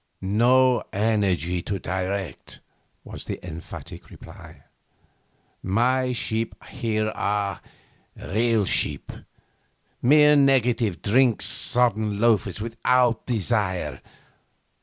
'No energy to direct,' was the emphatic reply. 'My sheep here are real sheep; mere negative, drink sodden loafers without desire.